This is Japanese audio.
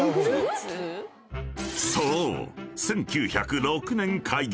［そう］